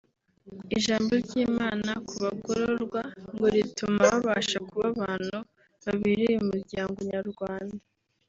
Ijambo ry’Imana ku bagororwa ngo rituma babasha kuba abantu babereye Umuryango Nyarwanda